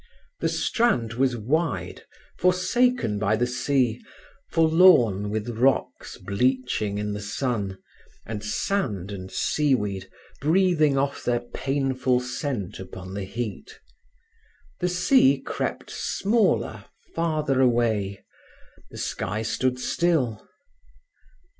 The strand was wide, forsaken by the sea, forlorn with rocks bleaching in the sun, and sand and seaweed breathing off their painful scent upon the heat. The sea crept smaller, farther away; the sky stood still.